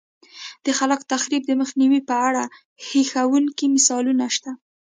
د خلاق تخریب د مخنیوي په اړه هیښوونکي مثالونه شته